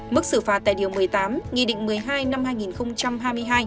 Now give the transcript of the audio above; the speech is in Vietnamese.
mức xử phạt tại điều một mươi tám nghị định một mươi hai năm hai nghìn hai mươi hai